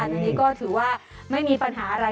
อันนี้ก็ถือว่าไม่มีปัญหาอะไร